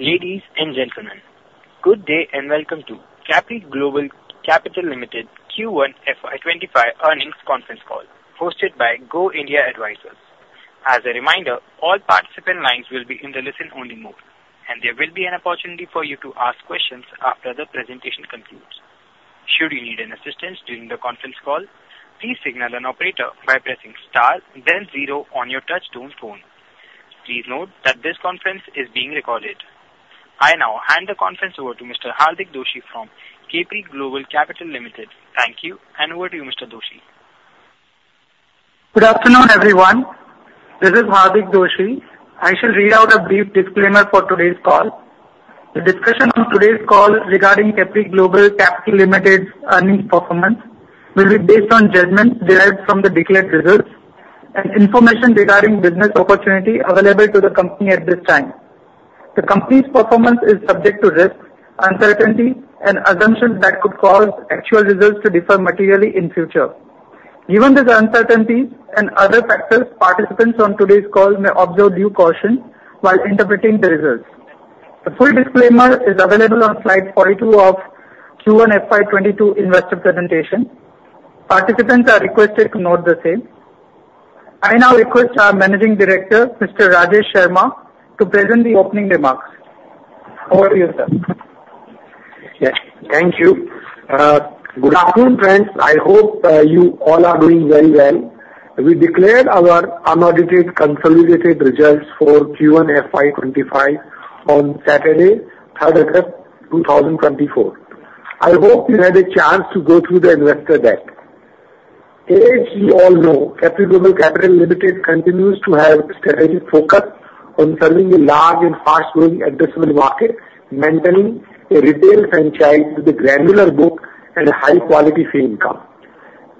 Ladies and gentlemen, good day and welcome to Capri Global Capital Limited Q1 FY2025 earnings conference call, hosted by Go India Advisors. As a reminder, all participant lines will be in the listen-only mode, and there will be an opportunity for you to ask questions after the presentation concludes. Should you need any assistance during the conference call, please signal an operator by pressing star, then zero on your touch-tone phone. Please note that this conference is being recorded. I now hand the conference over to Mr. Hardik Doshi from Capri Global Capital Limited. Thank you, and over to you, Mr. Doshi. Good afternoon, everyone. This is Hardik Doshi. I shall read out a brief disclaimer for today's call. The discussion on today's call regarding Capri Global Capital Limited's earnings performance will be based on judgments derived from the declared results and information regarding business opportunity available to the company at this time. The company's performance is subject to risk, uncertainty, and assumptions that could cause actual results to differ materially in the future. Given this uncertainty and other factors, participants on today's call may observe due caution while interpreting the results. The full disclaimer is available on slide 42 of Q1 FY2022 investor presentation. Participants are requested to note the same. I now request our Managing Director, Mr. Rajesh Sharma, to present the opening remarks. Over to you, sir. Yes, thank you. Good afternoon, friends. I hope you all are doing very well. We declared our unaudited consolidated results for Q1 FY2025 on Saturday, August 3, 2024. I hope you had a chance to go through the investor deck. As you all know, Capri Global Capital Limited continues to have a strategic focus on serving a large and fast-growing addressable market, maintaining a retail franchise with a granular book and high-quality fee income.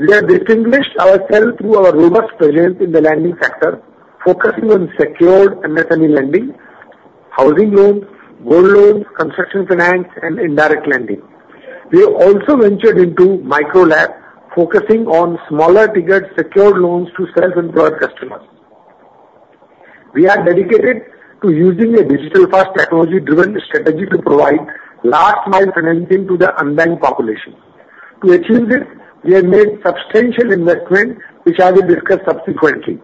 We have distinguished ourselves through our robust presence in the lending sector, focusing on secured MSME lending, Housing Loans, Gold Loans, Construction Finance, and indirect lending. We have also ventured into Micro LAP, focusing on smaller-ticket secured loans to self-employed customers. We are dedicated to using a digital fast technology-driven strategy to provide last-mile financing to the unbanked population. To achieve this, we have made substantial investments, which I will discuss subsequently.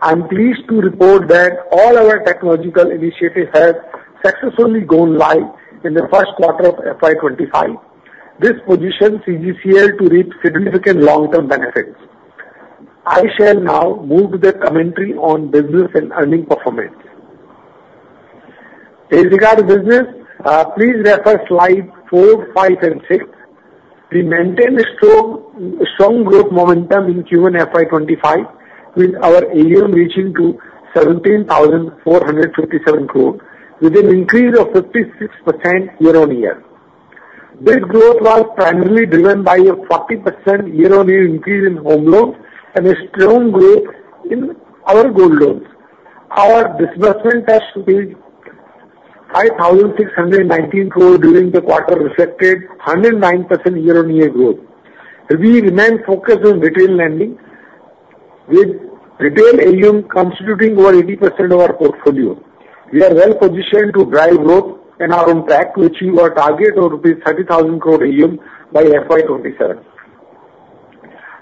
I'm pleased to report that all our technological initiatives have successfully gone live in the first quarter of FY2025. This positions CGCL to reap significant long-term benefits. I shall now move to the commentary on business and earnings performance. As regards business, please refer to slides four, five, and six. We maintain a strong growth momentum in Q1 FY2025, with our AUM reaching 17,457 crore, with an increase of 56% year-on-year. This growth was primarily driven by a 40% year-on-year increase in home loans and a strong growth in our Gold Loans. Our disbursement touched 5,619 crore during the quarter, reflecting 109% year-on-year growth. We remain focused on retail lending, with retail AUM constituting over 80% of our portfolio. We are well positioned to drive growth in our own track, which is our target of INR 30,000 crore AUM by FY2027.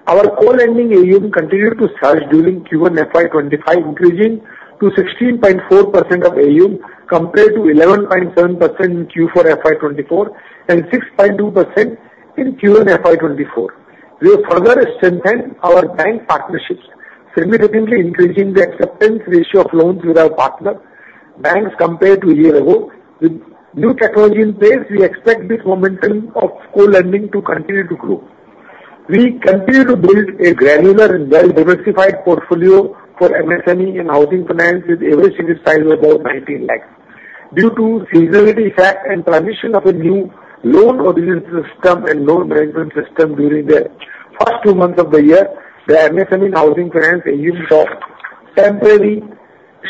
Our co-lending AUM continued to surge during Q1 FY2025, increasing to 16.4% of AUM compared to 11.7% in Q4 FY2024 and 6.2% in Q1 FY2024. We have further strengthened our bank partnerships, significantly increasing the acceptance ratio of loans with our partner banks compared to a year ago. With new technology in place, we expect this momentum of co-lending to continue to grow. We continue to build a granular and well-diversified portfolio for MSME and Housing Finance, with average unit size of about 19 lakhs. Due to the seasonality effect and transition of a new loan or business system and loan management system during the first two months of the year, the MSME and Housing Finance AUM saw temporary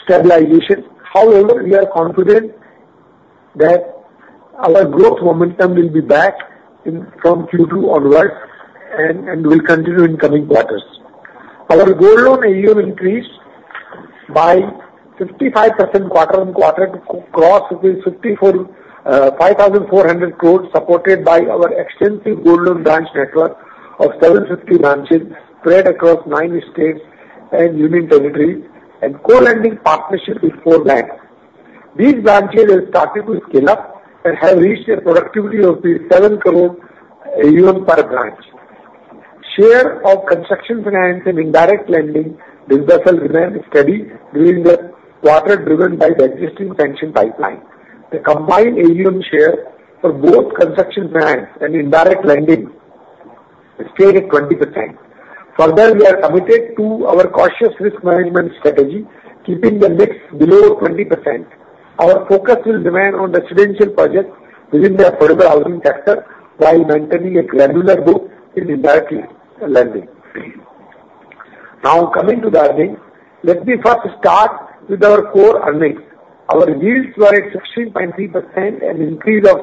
stabilization. However, we are confident that our growth momentum will be back from Q2 onwards and will continue in the coming quarters. Our Gold Loan AUM increased by 55% quarter-on-quarter to cross ₹5,400 crore, supported by our extensive Gold Loan branch network of 750 branches spread across nine states and union territories and co-lending partnership with four banks. These branches have started to scale up and have reached a productivity of ₹7 crore AUM per branch. Share of Construction Finance and indirect lending disbursal remained steady during the quarter driven by the existing sanction pipeline. The combined AUM share for both Construction Finance and indirect lending stayed at 20%. Further, we are committed to our cautious risk management strategy, keeping the mix below 20%. Our focus will remain on residential projects within the Affordable Housing sector while maintaining a granular book in indirect lending. Now, coming to the earnings, let me first start with our core earnings. Our yields were at 16.3%, an increase of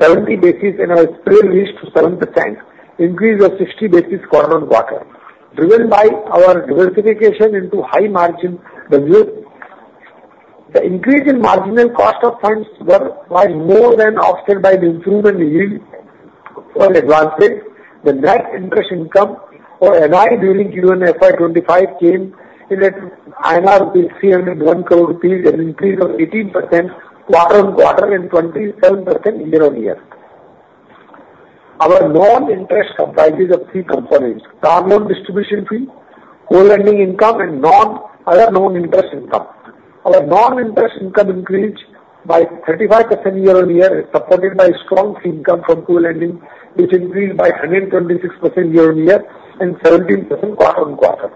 70 basis points, and our spread reached 7%, an increase of 60 basis points quarter-on-quarter, driven by our diversification into high-margin business. The increase in marginal cost of funds was more than offset by the improvement in yields to our advantage. The net interest income, or NII, during Q1 FY2025 came in at 301 crore rupees, an increase of 18% quarter-on-quarter and 27% year-on-year. Our non-interest income comprises three components: car loan distribution fee, co-lending income, and other non-interest income. Our non-interest income increased by 35% year-on-year, supported by strong fee income from co-lending, which increased by 126% year-on-year and 17% quarter-on-quarter.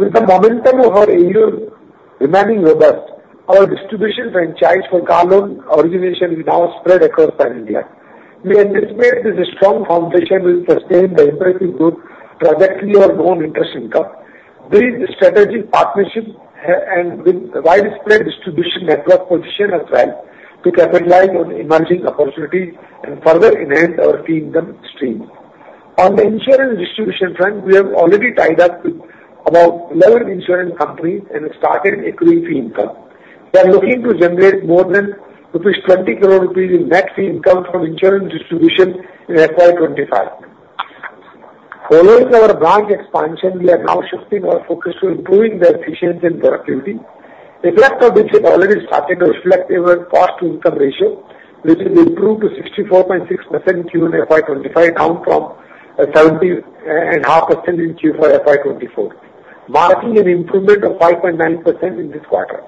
With the momentum of our AUM remaining robust, our distribution franchise for car loan origination is now spread across pan-India. We anticipate this strong foundation will sustain the impressive growth trajectory of non-interest income. This strategic partnership and widespread distribution network position us well to capitalize on emerging opportunities and further enhance our fee income stream. On the insurance distribution front, we have already tied up with about 11 insurance companies and started accruing fee income. We are looking to generate more than 20 crore rupees in net fee income from insurance distribution in FY2025. Following our branch expansion, we are now shifting our focus to improving the efficiency and productivity. The effect of this has already started to reflect our cost-to-income ratio, which has improved to 64.6% in Q1 FY2025, down from 70.5% in Q4 FY2024, marking an improvement of 5.9% in this quarter.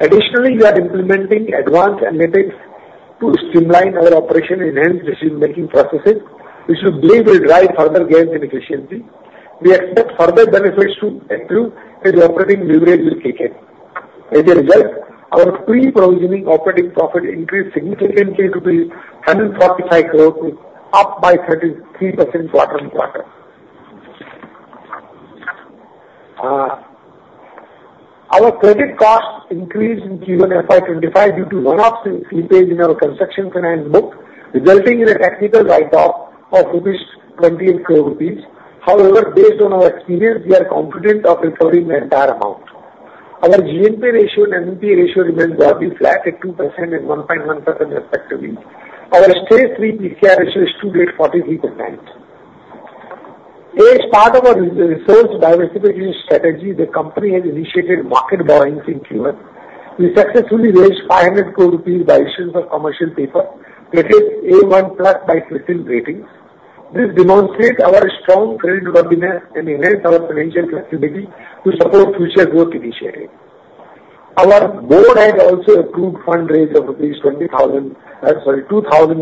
Additionally, we are implementing advanced analytics to streamline our operation and enhance decision-making processes, which we believe will drive further gains in efficiency. We expect further benefits to accrue as the operating leverage is taken. As a result, our pre-provisioning operating profit increased significantly to 145 crore, up by 33% quarter-on-quarter. Our credit cost increased in Q1 FY2025 due to one-off slippage in our Construction Finance book, resulting in a technical write-off of 28 crore rupees. However, based on our experience, we are confident of recovering the entire amount. Our GNP ratio and NNP ratio remained roughly flat at 2% and 1.1% respectively. Our stage three PCR ratio is still at 43%. As part of our resource diversification strategy, the company has initiated market buying in Q1. We successfully raised 500 crore rupees by issuance of commercial paper, rated A1+ by CARE Ratings. This demonstrates our strong creditworthiness and enhanced our financial flexibility to support future growth initiatives. Our board has also approved funds raised of rupees 20,000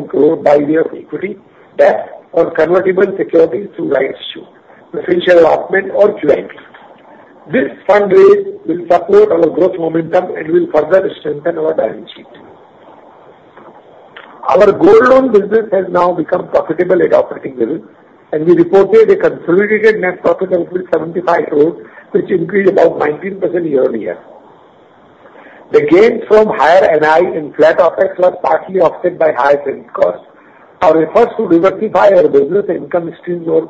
crore by way of equity debt or convertible securities through Rights Issue, preferential allotment, or QIP. This fundraise will support our growth momentum and will further strengthen our balance sheet. Our Gold Loan business has now become profitable at operating level, and we reported a consolidated net profit of 75 crore, which increased about 19% year-on-year. The gains from higher NII in flat offset plus partly offset by higher credit costs are efforts to diversify our business income streams over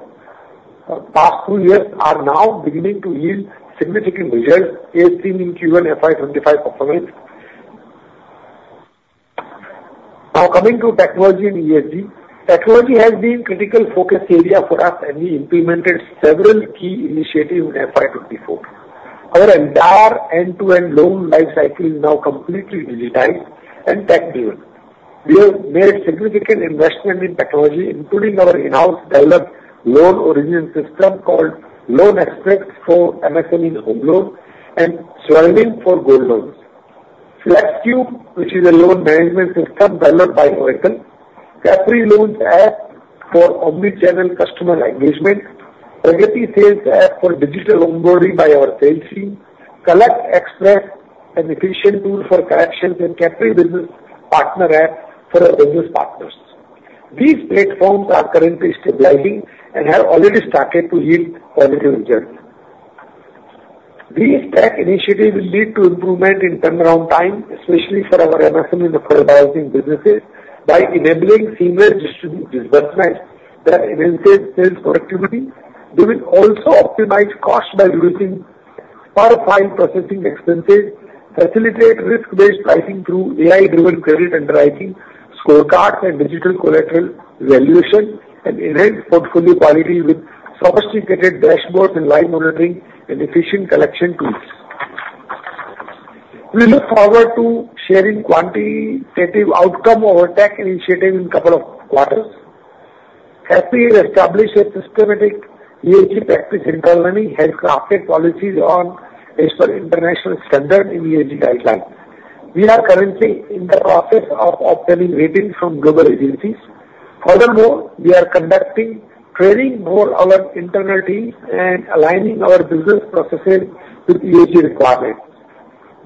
the past two years, and are now beginning to yield significant results as seen in Q1 FY2025 performance. Now coming to technology and ESG, technology has been a critical focus area for us, and we implemented several key initiatives in FY2024. Our entire end-to-end loan life cycle is now completely digitized and tech-driven. We have made significant investment in technology, including our in-house developed loan origination system called Loan Expert for MSME and Home Loans and Swarnim for Gold Loans, Flexcube, which is a loan management system developed by Oracle, Capri Loans App for omnichannel customer engagement, Pragati Sales app for digital onboarding by our sales team, Collect Xpress, an efficient tool for collections, and Capri Business Partner App for our business partners. These platforms are currently stabilizing and have already started to yield positive results. These tech initiatives will lead to improvement in turnaround time, especially for our MSME and affordable housing businesses, by enabling seamless distribution disbursements that enhance sales productivity. They will also optimize costs by reducing file processing expenses, facilitate risk-based pricing through AI-driven credit underwriting, scorecards and digital collateral evaluation, and enhance portfolio quality with sophisticated dashboards and live monitoring and efficient collection tools. We look forward to sharing quantitative outcomes of our tech initiatives in a couple of quarters. Capri has established a systematic ESG practice in gold lending, has crafted policies on international standards in ESG guidelines. We are currently in the process of obtaining ratings from global agencies. Furthermore, we are conducting training for our internal teams and aligning our business processes with ESG requirements.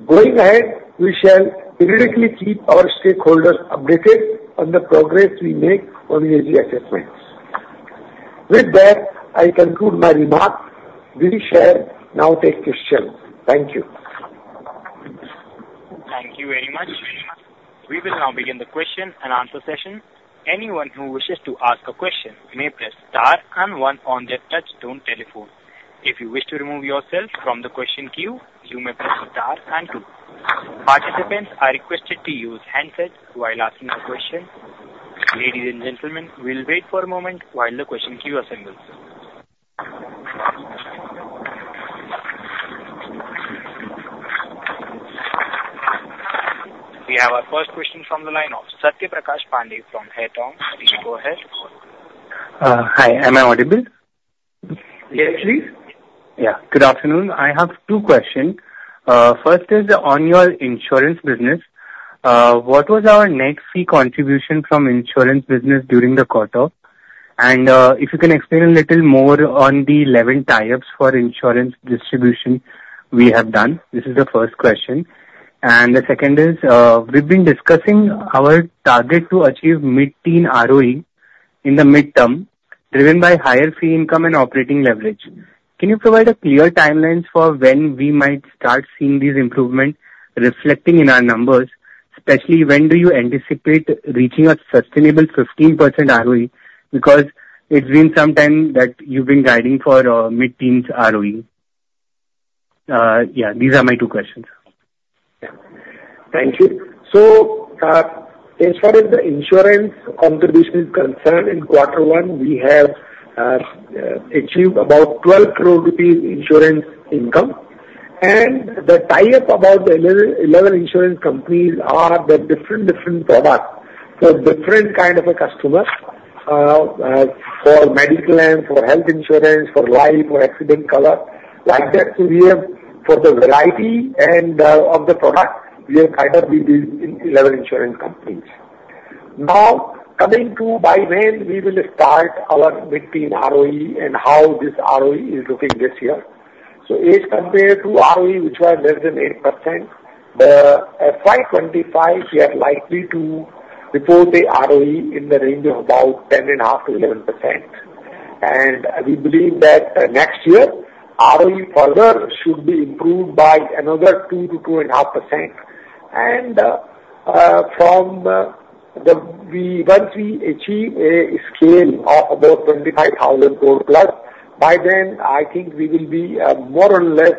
Going ahead, we shall periodically keep our stakeholders updated on the progress we make on ESG assessments. With that, I conclude my remarks. We shall now take questions. Thank you. Thank you very much. We will now begin the question and answer session. Anyone who wishes to ask a question may press star and one on their touch-tone telephone. If you wish to remove yourself from the question queue, you may press star and two. Participants are requested to use handsets while asking a question. Ladies and gentlemen, we'll wait for a moment while the question queue assembles. We have our first question from the line of Satya Prakash Pandey from Haitong. Please go ahead. Hi, am I audible? Yes, please. Yeah. Good afternoon. I have two questions. First is on your insurance business. What was our net fee contribution from insurance business during the quarter? And if you can explain a little more on the 11 types for insurance distribution we have done. This is the first question. And the second is we've been discussing our target to achieve mid-teen ROE in the midterm, driven by higher fee income and operating leverage. Can you provide a clear timeline for when we might start seeing these improvements reflecting in our numbers? Especially, when do you anticipate reaching a sustainable 15% ROE? Because it's been some time that you've been guiding for mid-teens ROE. Yeah, these are my two questions. Thank you. So as far as the insurance contribution is concerned, in quarter one, we have achieved about 12 crore rupees insurance income. The tie-up about the 11 insurance companies are the different, different products for different kinds of customers, for medical and for health insurance, for life, for accident cover. Like that, we have for the variety of the products, we have kind of these 11 insurance companies. Now, coming to by when, we will start our mid-teens ROE and how this ROE is looking this year. As compared to ROE, which was less than 8%, in FY2025, we are likely to report the ROE in the range of about 10.5%-11%. And we believe that next year, ROE further should be improved by another 2%-2.5%. Once we achieve a scale of about 25,000 crore plus, by then, I think we will be more or less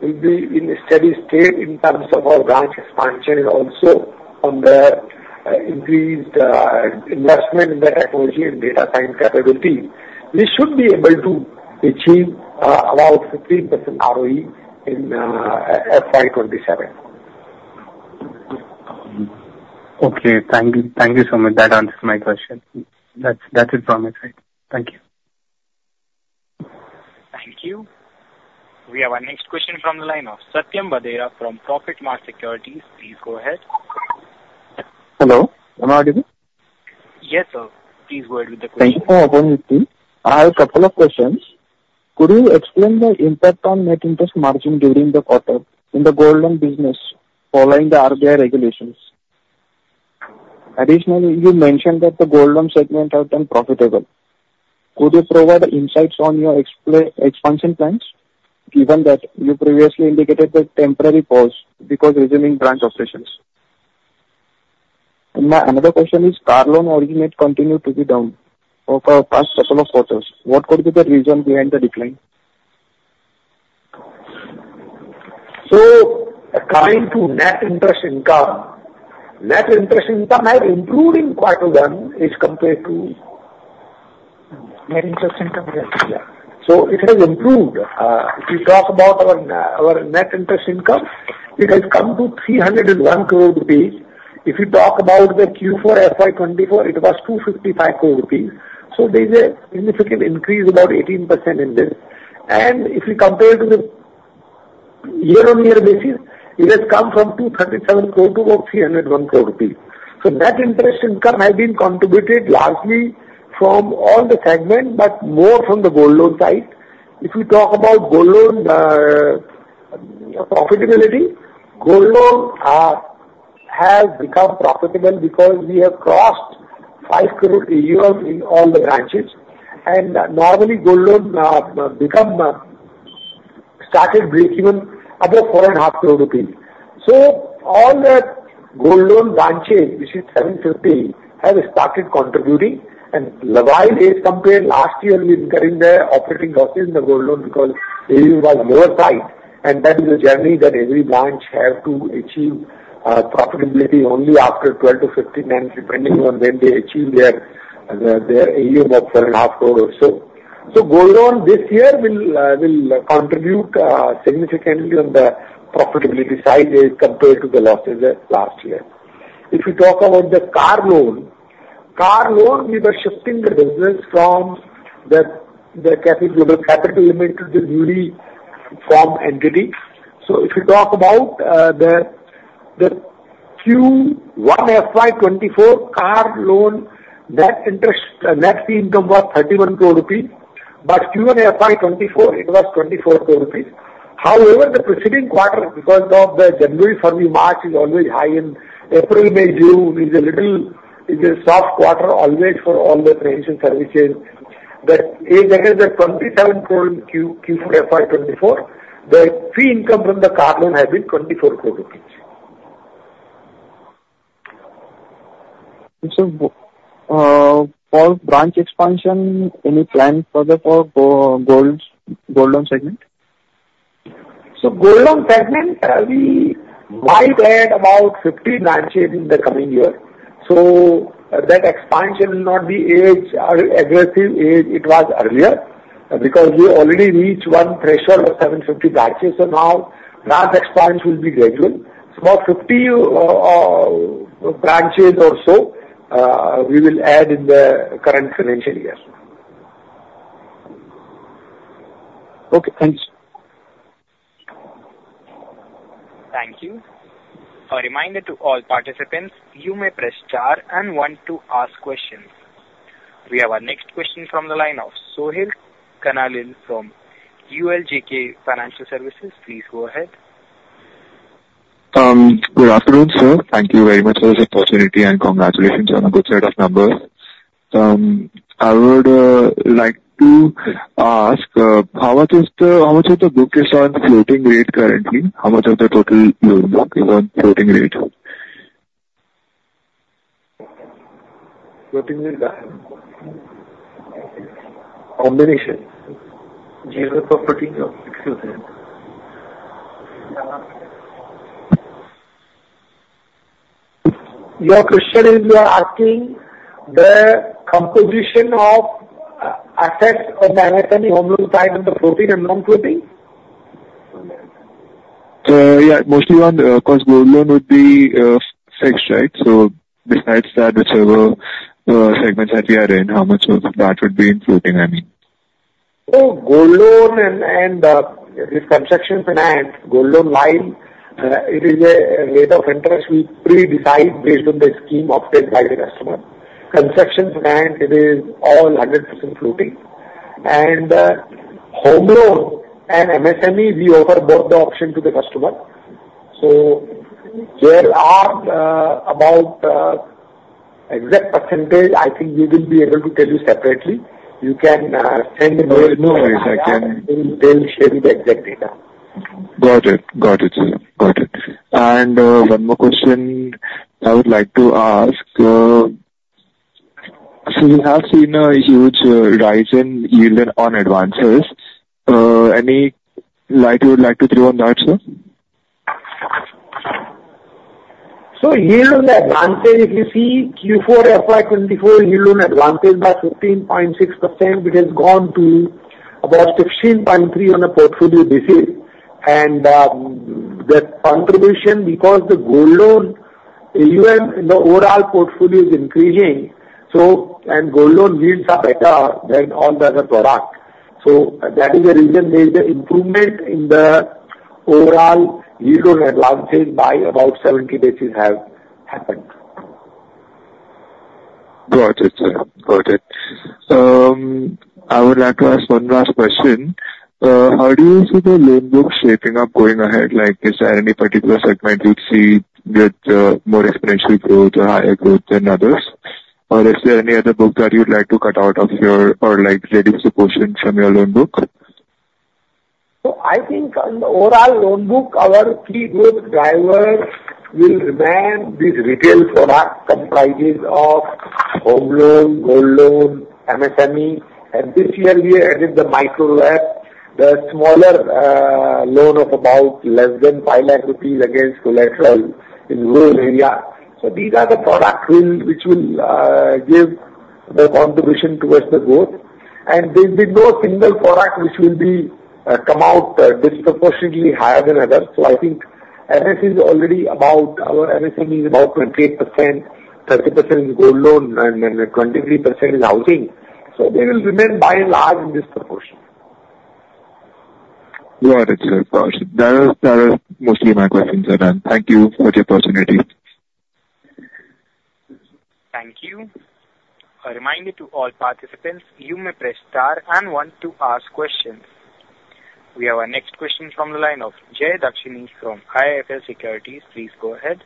in a steady state in terms of our branch expansion and also on the increased investment in the technology and data science capability. We should be able to achieve about 15% ROE in FY2027. Okay. Thank you. Thank you so much. That answers my question. That's it from my side. Thank you. Thank you. We have our next question from the line of Satyam Badhera from Profitmart Securities. Please go ahead. Hello. Am I audible? Yes, sir. Please go ahead with the question. Thank you for opening the call. I have a couple of questions. Could you explain the impact on net interest margin during the quarter in the Gold Loan business following the RBI regulations? Additionally, you mentioned that the Gold Loan segment has been profitable. Could you provide insights on your expansion plans, given that you previously indicated the temporary pause because of resuming branch operations? My other question is, car loan origination continued to be down over the past couple of quarters. What could be the reason behind the decline? So coming to net interest income, net interest income has improved in quarter one as compared to net interest income here. So it has improved. If you talk about our net interest income, it has come to 301 crore rupees. If you talk about the Q4 FY 2024, it was 255 crore rupees. So there is a significant increase, about 18% in this. And if you compare to the year-over-year basis, it has come from 237 crore to about 301 crore rupees. So net interest income has been contributed largely from all the segments, but more from the Gold Loan side. If we talk about Gold Loan profitability, Gold Loan has become profitable because we have crossed INR 5 crore in all the branches. And normally, Gold Loan started breaking even above 4.5 crore rupees. So all the Gold Loan branches, which is 750, have started contributing. While as compared to last year, we incurred the operating losses in the Gold Loan because AUM was lower tied. That is a journey that every branch has to achieve profitability only after 12 to 15 months, depending on when they achieve their AUM of ₹4.5 crore or so. So Gold Loan this year will contribute significantly on the profitability side as compared to the losses last year. If we talk about the car loan, car loan, we were shifting the business from the Capri Global Capital Limited to the subsidiary entity. So if you talk about the Q1 FY2025 car loan, net interest, net fee income was ₹31 crore, but Q1 FY2024, it was ₹24 crore. However, the preceding quarter, because January, February, March is always high, and April, May, June is a little soft quarter always for all the financial services. But as again, the 27 crore in Q4 FY2024, the fee income from the car loan has been 24 crore rupees. So for branch expansion, any plan further for Gold Loan segment? So Gold Loan segment, we might add about 50 branches in the coming year. So that expansion will not be as aggressive as it was earlier because we already reached one threshold of 750 branches. So now branch expansion will be gradual. So about 50 branches or so we will add in the current financial year. Okay. Thanks. Thank you. A reminder to all participants, you may press star and one to ask questions. We have our next question from the line of Sohil Karani from ULJK Financial Services. Please go ahead. Good afternoon, sir. Thank you very much for this opportunity and congratulations on a good set of numbers. I would like to ask, how much of the book is on floating rate currently? How much of the total loan book is on floating rate? Floating rate? Combination. 0-14. Your question is, you are asking the composition of assets under management and home loan side of the floating and non-floating? Yeah. Mostly one, of course, Gold Loan would be fixed, right? So besides that, whichever segments that we are in, how much of that would be in floating, I mean? So, Gold Loan and this Construction Finance, Gold Loan line, it is a rate of interest we pre-decide based on the scheme opted by the customer. Construction Finance, it is all 100% floating. Home loan and MSME, we offer both the option to the customer. So there are about exact percentage, I think we will be able to tell you separately. You can send a mail to us and we will tell you the exact data. Got it. Got it, sir. Got it. One more question I would like to ask. We have seen a huge rise in yield on advances. Any light you would like to throw on that, sir? So yield on advances, if you see Q4 FY2024, yield on advances by 15.6%, which has gone to about 15.3% on a portfolio basis. The contribution, because the Gold Loan, the overall portfolio is increasing, and Gold Loan yields are better than all the other products. So that is the reason there is an improvement in the overall yield on advances by about 70 basis points has happened. Got it, sir. Got it. I would like to ask one last question. How do you see the loan book shaping up going ahead? Is there any particular segment you'd see with more exponential growth or higher growth than others? Or is there any other book that you'd like to cut out of your or like ready to portion from your loan book? So I think on the overall loan book, our key growth drivers will remain these retail products comprised of home loan, Gold Loan, MSME. And this year, we added the micro debt, the smaller loan of about less than 5 lakh rupees against collateral in the gold area. So these are the products which will give the contribution towards the growth. And there will be no single product which will come out disproportionately higher than others. So I think MSME is already about our MSME is about 28%, 30% is Gold Loan, and 23% is housing. So they will remain by and large in this proportion. Got it, sir. Got it. That is mostly my questions are done. Thank you for the opportunity. Thank you. A reminder to all participants, you may press star and one to ask questions. We have our next question from the line of Jay Dakshini from IIFL Securities. Please go ahead.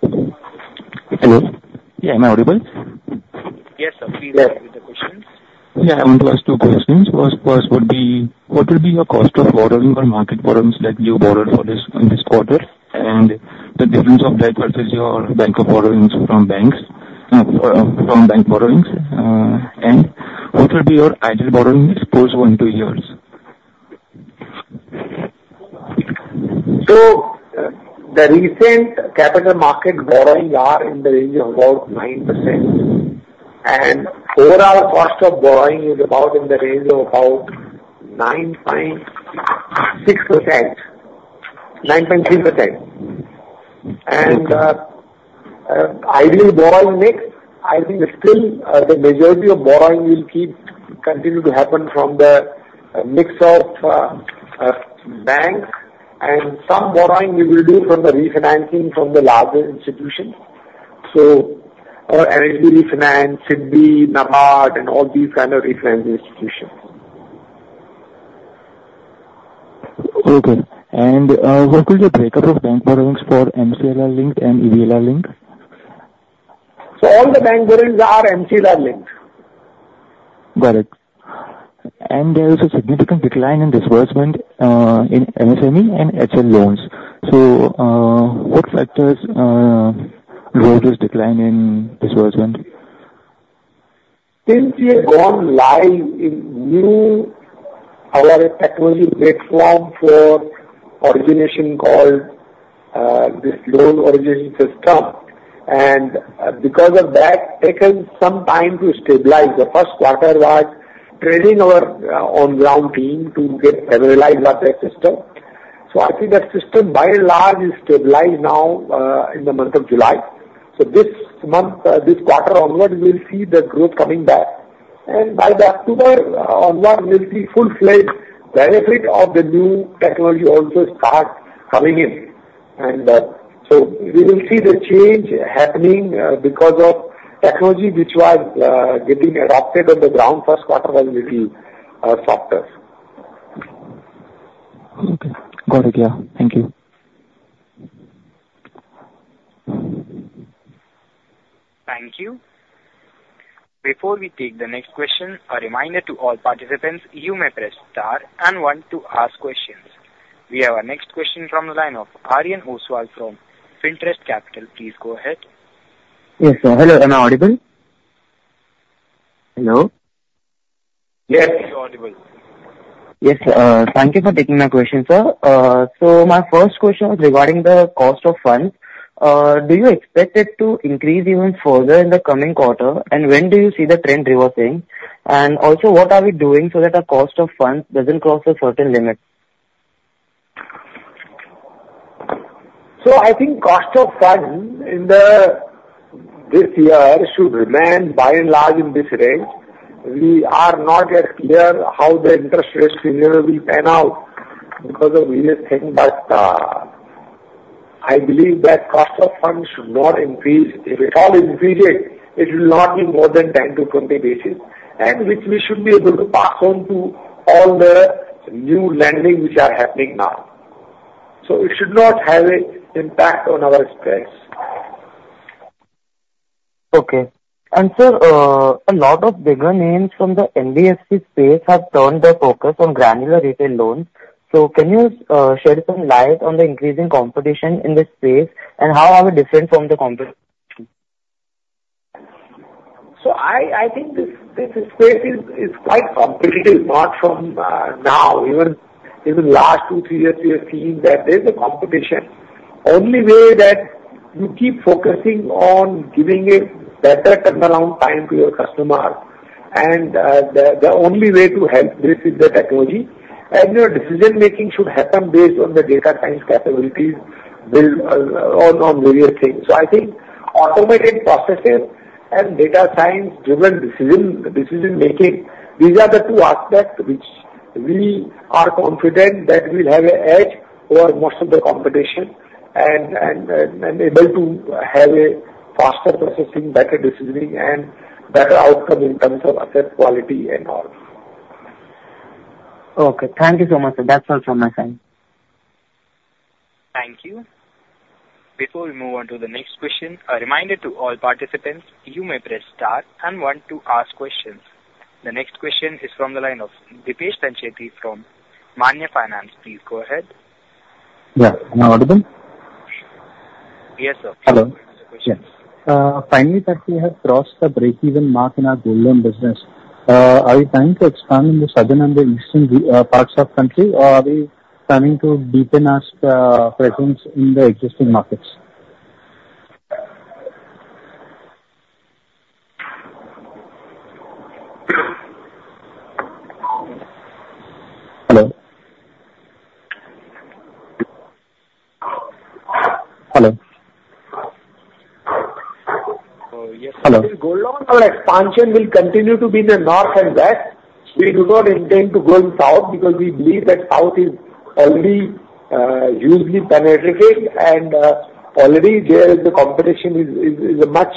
Hello. Yeah, am I audible? Yes, sir. Please go ahead with the questions. Yeah. I want to ask two questions. First would be, what would be your cost of borrowing on market borrowings that you borrowed for this quarter? And the difference of that versus your bank of borrowings from bank borrowings? And what will be your ideal borrowing exposure in two years? The recent capital market borrowings are in the range of about 9%. Overall cost of borrowing is about in the range of about 9.6%, 9.3%. Ideal borrowing mix, I think, still the majority of borrowing will continue to happen from the mix of banks and some borrowing we will do from the refinancing from the larger institutions. NHB refinance, SIDBI, NABARD, and all these kinds of refinancing institutions. Okay. What will be the break-up of bank borrowings for MCLR-linked and EBLR-linked? So all the bank borrowings are MCLR-linked. Got it. There is a significant decline in disbursement in MSME and HL loans. What factors drove this decline in disbursement? Since we have gone live in new technology platform for origination called this loan origination system. And because of that, it taken some time to stabilize. The first quarter was training our on-ground team to get familiarized with that system. So I think that system by and large is stabilized now in the month of July. So this month, this quarter onward, we will see the growth coming back. And by the October onward, we will see full-fledged benefit of the new technology also start coming in. And so we will see the change happening because of technology which was getting adopted on the ground. First quarter was a little softer. Okay. Got it. Yeah. Thank you. Thank you. Before we take the next question, a reminder to all participants, you may press star and one to ask questions. We have our next question from the line of Aryan Oswal from Finterest Capital. Please go ahead. Yes, sir. Hello. Am I audible? Hello. Yes. You're audible. Yes. Thank you for taking my question, sir. So my first question is regarding the cost of funds. Do you expect it to increase even further in the coming quarter? And when do you see the trend reversing? And also, what are we doing so that our cost of funds doesn't cross a certain limit? I think cost of funds in this year should remain by and large in this range. We are not yet clear how the interest rate scenario will pan out because of various things. I believe that cost of funds should not increase. If it all increases, it will not be more than 10-20 basis, and which we should be able to pass on to all the new lending which are happening now. It should not have an impact on our expense. Okay. And sir, a lot of bigger names from the NBFC space have turned their focus on granular retail loans. So can you shed some light on the increasing competition in this space and how are we different from the competition? So, I think this space is quite competitive, not from now. Even in the last two, three years, we have seen that there is a competition. Only way that you keep focusing on giving a better turnaround time to your customer. And the only way to help this is the technology. And your decision-making should happen based on the data science capabilities on various things. So, I think automated processes and data science-driven decision-making, these are the two aspects which we are confident that will have an edge over most of the competition and be able to have a faster processing, better decisioning, and better outcome in terms of asset quality and all. Okay. Thank you so much, sir. That's all from my side. Thank you. Before we move on to the next question, a reminder to all participants, you may press star and one to ask questions. The next question is from the line of Deepesh Sancheti from Manya Finance. Please go ahead. Yeah. Am I audible? Yes, sir. Hello. Finally, that we have crossed the break-even mark in our Gold Loan business. Are we planning to expand in the southern and the eastern parts of the country, or are we planning to deepen our presence in the existing markets? Hello. Hello. So yes, Gold Loan expansion will continue to be in the North and West. We do not intend to go in South because we believe that South is already hugely penetrated, and already there the competition is much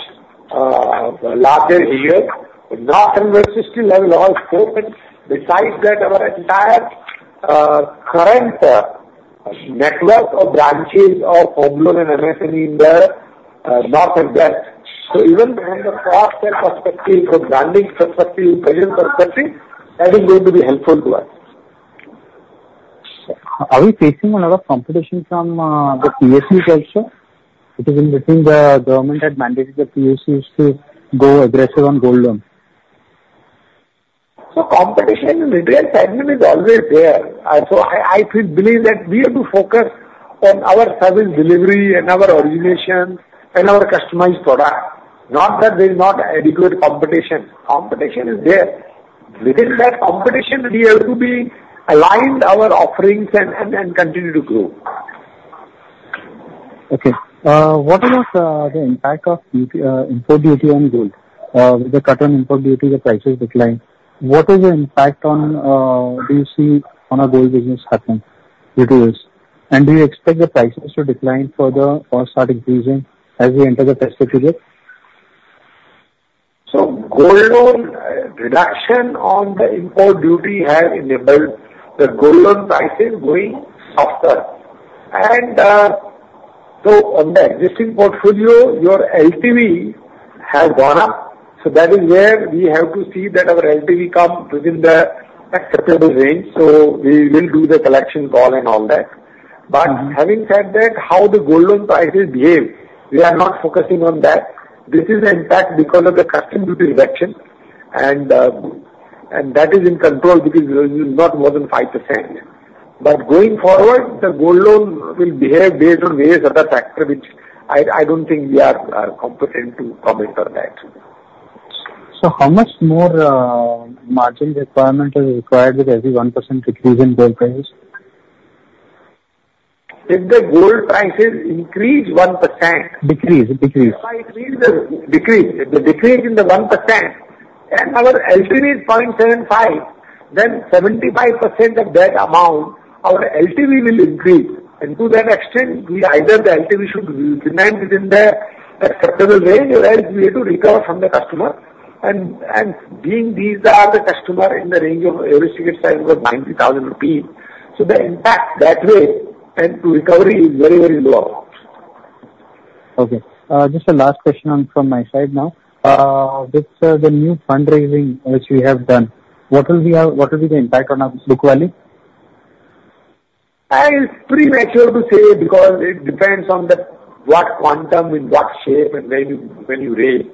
larger here. North and West still have a lot of scope and besides that, our entire current network of branches of home loan and MSME in the North and West. So even from the cost perspective, from branding perspective, presence perspective, that is going to be helpful to us. Are we facing a lot of competition from the PSUs also? It is in between the government had mandated the PSUs to go aggressive on Gold Loans. So competition in Retail segment is always there. So I believe that we have to focus on our service delivery and our origination and our customized product. Not that there is not adequate competition. Competition is there. Within that competition, we have to be aligned our offerings and continue to grow. Okay. What about the impact of import duty on gold? With the cut on import duty, the prices decline. What is the impact on do you see on our gold business happen due to this? And do you expect the prices to decline further or start increasing as we enter the fiscal period? So Gold Loan reduction on the import duty has enabled the Gold Loan prices going softer. And so on the existing portfolio, your LTV has gone up. So that is where we have to see that our LTV come within the acceptable range. So we will do the collection call and all that. But having said that, how the Gold Loan prices behave, we are not focusing on that. This is the impact because of the customs duty reduction, and that is in control because it is not more than 5%. But going forward, the Gold Loan will behave based on various other factors, which I don't think we are competent to comment on that. How much more margin requirement is required with every 1% decrease in gold prices? If the gold prices increase 1%. Decrease. Decrease. If they decrease in the 1% and our LTV is 0.75, then 75% of that amount, our LTV will increase. To that extent, either the LTV should remain within the acceptable range or else we have to recover from the customer. Being these are the customer in the range of every single side of 90,000 rupees. The impact that way and to recovery is very, very low. Okay. Just a last question from my side now. With the new fundraising which we have done, what will be the impact on book value? It's premature to say because it depends on what quantum, in what shape, and when you raise.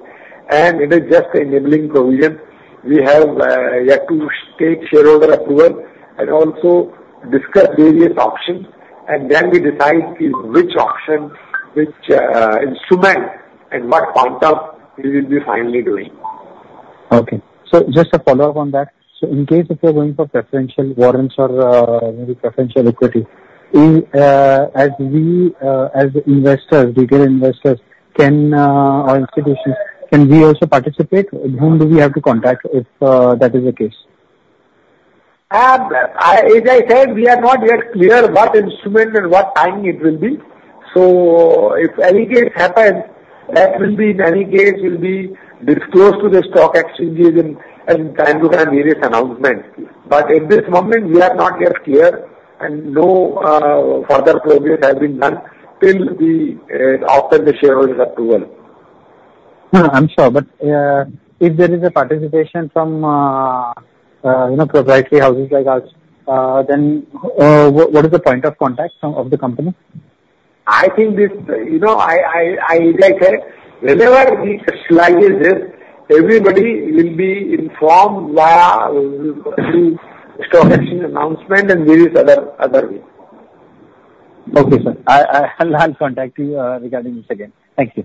It is just enabling provision. We have yet to take shareholder approval and also discuss various options. Then we decide which option, which instrument, and what quantum we will be finally doing. Okay. So just a follow-up on that. So in case of you're going for preferential warrants or maybe preferential equity, as investors, retail investors, or institutions, can we also participate? Whom do we have to contact if that is the case? As I said, we are not yet clear what instrument and what timing it will be. So if any case happens, that will be in any case will be disclosed to the stock exchanges and time to time various announcements. But at this moment, we are not yet clear, and no further progress has been done till after the shareholders' approval. I'm sorry, but if there is a participation from proprietary houses like us, then what is the point of contact of the company? I think, as I said, whenever we slide this, everybody will be informed via the stock exchange announcement and various other ways. Okay, sir. I'll contact you regarding this again. Thank you.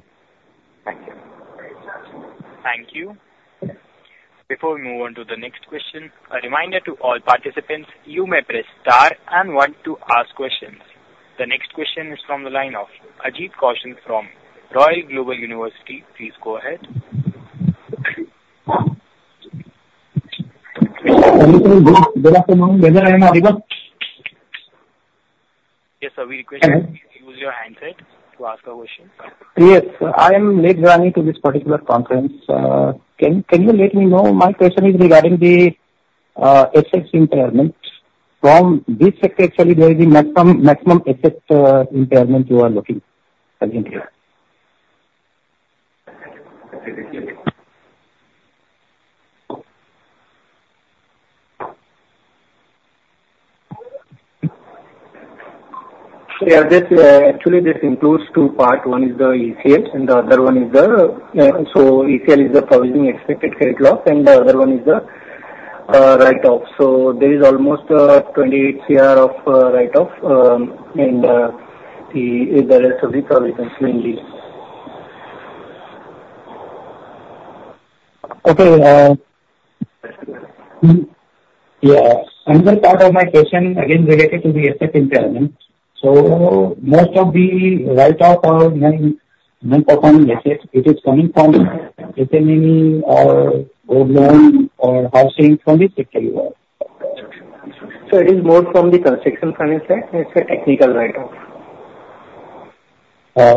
Thank you. Thank you. Before we move on to the next question, a reminder to all participants, you may press star and one to ask questions. The next question is from the line of Ajit Kaushal from Royal Global University. Please go ahead. Good afternoon. Am I audible? Yes, sir. We request you use your handset to ask a question. Yes. I am late joining to this particular conference. Can you let me know? My question is regarding the assets impairment. From this sector, actually, there is a maximum asset impairment you are looking for. So yeah, actually, this includes two parts. One is the ECL, and the other one is the so ECL is the provisioning expected credit loss, and the other one is the write-off. So there is almost 28 crore of write-off in the rest of the provisions, mainly. Okay. Yeah. Another part of my question, again, related to the asset impairment. So most of the write-off or non-performing assets, it is coming from SME or Gold Loan or housing from this sector? So it is more from the Construction Finance side. It's a Technical Write-off.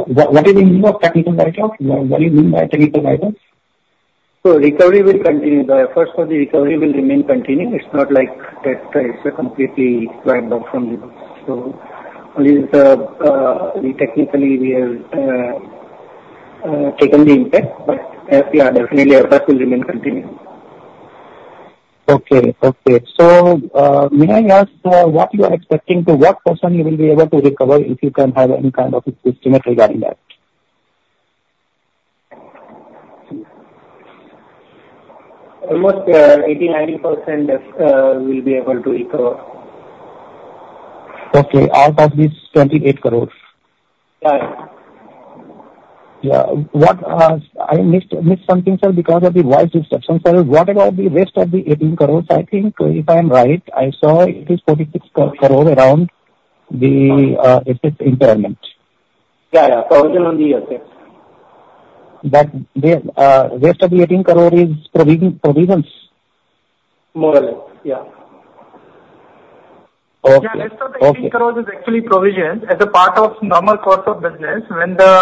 What do you mean of technical write-off? What do you mean by technical write-off? So recovery will continue. The efforts for the recovery will remain continue. It's not like that it's completely wiped out from the book. So only technically we have taken the impact, but definitely efforts will remain continue. Okay. Okay. May I ask what you are expecting to what percent you will be able to recover if you can have any kind of estimate regarding that? Almost 80%-90% will be able to recover. Okay. Out of this 28 crores. Yeah. Yeah. I missed something, sir, because of the voice instruction, sir. What about the rest of the INR 18 crore? I think, if I'm right, I saw it is INR 46 crore around the asset impairment. Yeah. Yeah. Provision on the assets. But the rest of the 18 crore is provisions? More or less. Yeah. Okay. Yeah. Let's say the INR 18 crores is actually provisions as a part of normal course of business. When the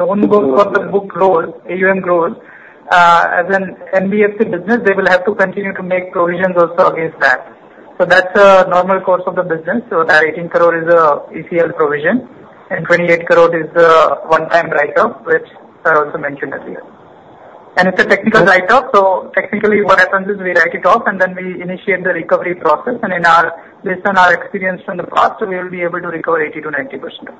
loan goes for the book growth, AUM grows, as an NBFC business, they will have to continue to make provisions also against that. So that's a normal course of the business. So that 18 crores is an ECL provision, and 28 crores is the one-time write-off, which I also mentioned earlier. And it's a technical write-off. So technically, what happens is we write it off, and then we initiate the recovery process. And based on our experience from the past, we will be able to recover 80%-90%.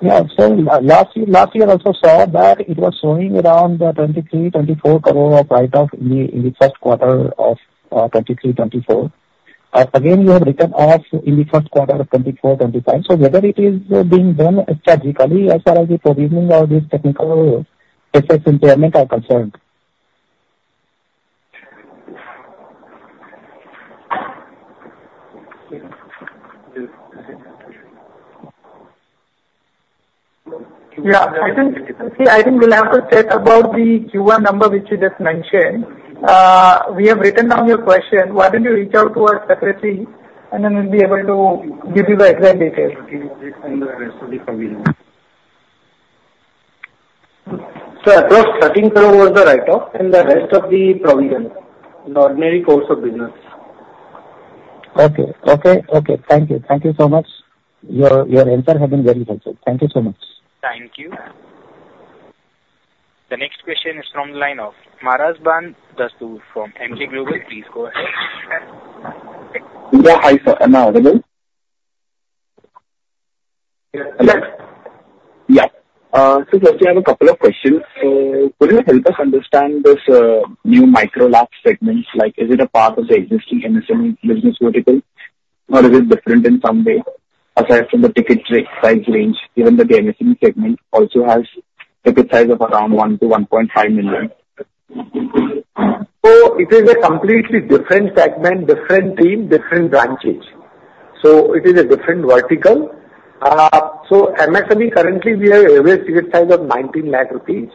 Yeah. So last year, I also saw that it was showing around 2023-2024 crore of write-off in the first quarter of 2023-2024. Again, you have written off in the first quarter of 2024-2025. So whether it is being done strategically as far as the provisioning or the technical assets impairment are concerned? Yeah. I think we'll have to check about the Q1 number, which you just mentioned. We have written down your question. Why don't you reach out to us separately, and then we'll be able to give you the exact details. Sir, I thought INR 13 crore was the write-off and the rest of the provision in the ordinary course of business. Okay. Okay. Okay. Thank you. Thank you so much. Your answers have been very helpful. Thank you so much. Thank you. The next question is from the line of Manraj Badesha from MJ Global. Please go ahead. Yeah. Hi, sir. Am I audible? Yes. Yes. So first, we have a couple of questions. So could you help us understand this new Micro LAP segment? Is it a part of the existing MSME business vertical, or is it different in some way aside from the ticket size range, given that the MSME segment also has ticket size of around 1 million- 1.5 million? So it is a completely different segment, different team, different branches. So it is a different vertical. So MSME, currently, we have an average ticket size of 19 lakh rupees.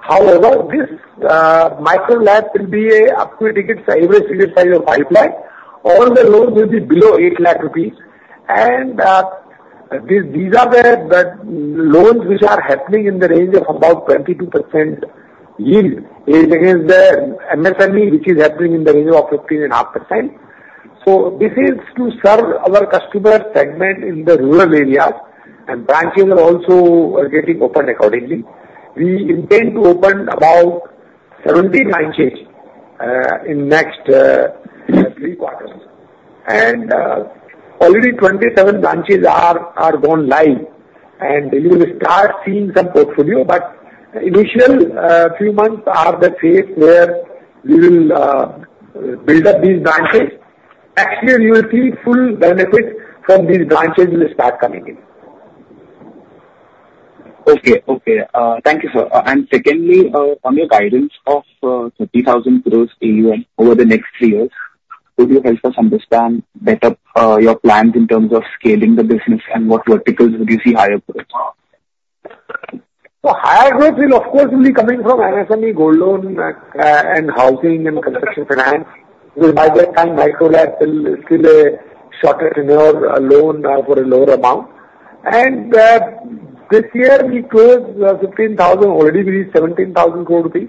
However, this Micro LAP will be an up to ticket average ticket size of 5 lakh. All the loans will be below 8 lakh rupees. And these are the loans which are happening in the range of about 22% yield against the MSME, which is happening in the range of 15.5%. So this is to serve our customer segment in the rural areas, and branches are also getting opened accordingly. We intend to open about 70 branches in the next three quarters. And already 27 branches are going live, and we will start seeing some portfolio. But initial few months are the phase where we will build up these branches. Next year, you will see full benefits from these branches will start coming in. Okay. Okay. Thank you, sir. And secondly, on your guidance of 30,000 crore AUM over the next three years, could you help us understand better your plans in terms of scaling the business, and what verticals would you see higher growth? So higher growth will, of course, be coming from MSME, Gold Loan, and Housing and Construction Finance. By that time, Micro LAPs will still shorten in their loan for a lower amount. And this year, we closed 15,000 crore. Already, we reached 17,000 crore rupees.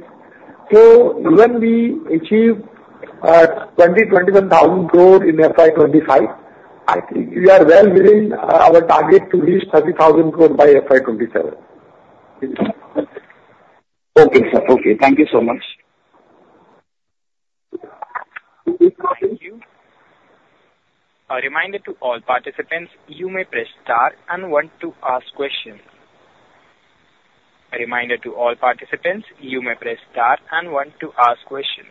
So when we achieve 20,000 crore- 21,000 crore in FY2025, I think we are well within our target to reach 30,000 crore by FY2027. Okay, sir. Okay. Thank you so much. A reminder to all participants, you may press star and one to ask questions. A reminder to all participants, you may press star and one to ask questions.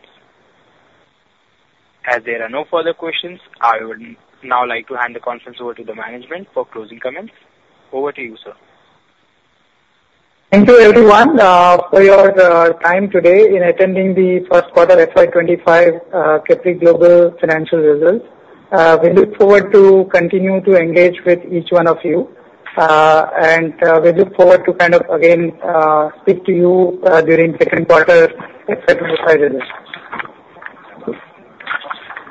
As there are no further questions, I would now like to hand the conference over to the management for closing comments. Over to you, sir. Thank you, everyone, for your time today in attending the first quarter FY2025 Capri Global Capital Results. We look forward to continue to engage with each one of you, and we look forward to kind of, again, speak to you during second quarter FY2025 results.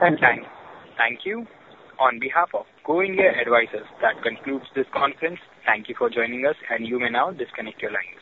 Thank you. Thank you. On behalf of Go India Advisors, that concludes this conference. Thank you for joining us, and you may now disconnect your lines.